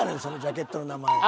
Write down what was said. そのジャケットの名前。